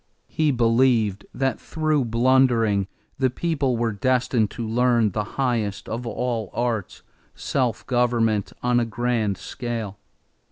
He believed that through blundering the people were destined to learn the highest of all arts, self government on a grand scale.